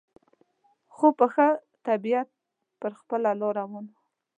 خو په ښه طبیعت پر خپله لار روان و.